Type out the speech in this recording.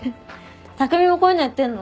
匠もこういうのやってんの？